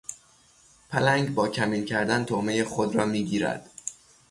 پلنگ با کمین کردن طعمهی خود را میگیرد.